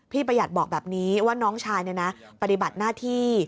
ประหยัดบอกแบบนี้ว่าน้องชายปฏิบัติหน้าที่